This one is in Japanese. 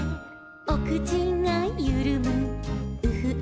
「おくちがゆるむウフウフほっぺ」